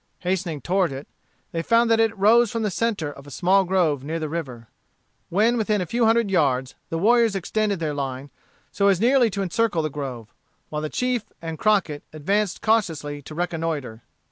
Hastening toward it, they found that it rose from the centre of a small grove near the river. When within a few hundred yards the warriors extended their line, so as nearly to encircle the grove, while the chief and Crockett advanced cautiously to reconnoitre.